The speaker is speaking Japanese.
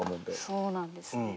そうなんですね。